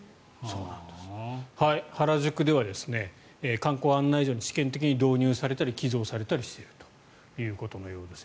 原宿では観光案内所に試験的に導入されたり寄贈されたりしているということのようです。